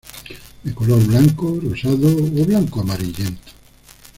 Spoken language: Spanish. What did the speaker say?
De color blanco, rosado o blanco-amarillento.